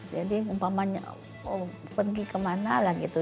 jadi umpamanya pergi kemana lah gitu